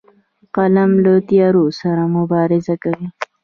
قلم له تیارو سره مبارزه کوي